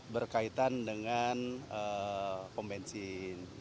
berkaitan dengan pompensin